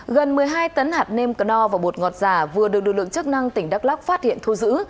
gần một mươi hai tấn hạt nêm cơ no và bột ngọt giả vừa được lực lượng chức năng tỉnh đắk lắc phát hiện thu giữ